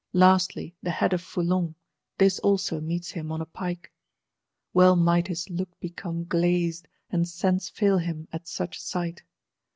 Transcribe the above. Lastly the Head of Foulon: this also meets him on a pike. Well might his "look become glazed," and sense fail him, at such sight!